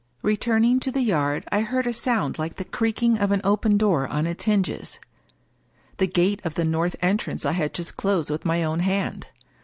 Returning to the yard I heard a sound like the creaking of an open door on its hinges. The gate of the north en trance I had just closed with my own hand.